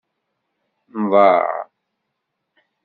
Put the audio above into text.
Nḍaε.